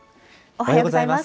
おはようございます。